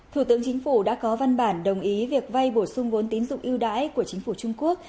thủ tướng chính phủ đã có văn bản đồng ý việc vay bổ sung vốn tín dụng yêu đái của chính phủ trung quốc